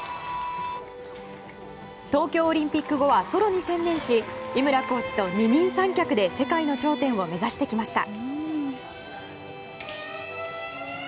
東京オリンピック後はソロに専念し井村コーチと二人三脚で世界の頂点を目指してきました。